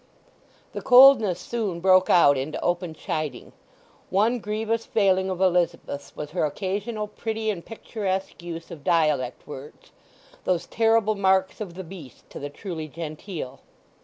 The coldness soon broke out into open chiding. One grievous failing of Elizabeth's was her occasional pretty and picturesque use of dialect words—those terrible marks of the beast to the truly genteel.